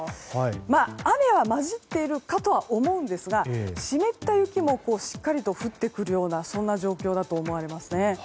雨は交じっているかと思いますが湿った雪もしっかり降ってくるような状況だと思われます。